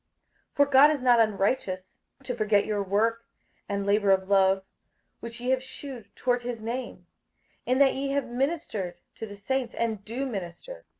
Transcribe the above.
58:006:010 For God is not unrighteous to forget your work and labour of love, which ye have shewed toward his name, in that ye have ministered to the saints, and do minister.